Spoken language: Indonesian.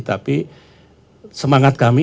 tapi semangat kami